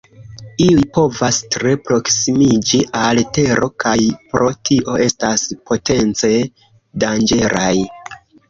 Iuj povas tre proksimiĝi al Tero, kaj pro tio estas potence danĝeraj.